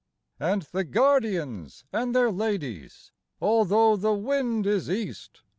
And the guardians and their ladies. Although the wind is east.